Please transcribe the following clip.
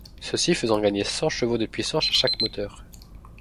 Ceux-ci faisaient gagner cent chevaux de puissance à chaque moteur.